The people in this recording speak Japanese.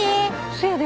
せやで。